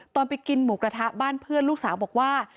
ตอนไปกินหมูกระทะบ้านเพื่อนลูกสาวบอกว่า